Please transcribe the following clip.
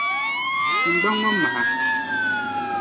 Tiŋgbaŋ ŋɔ maha.